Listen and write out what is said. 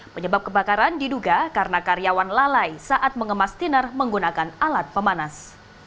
penyebab kebakaran diduga karena karyawan lalai saat mengemas tiner menggunakan alat pemanas